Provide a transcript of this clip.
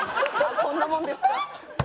「こんなもんですか？」。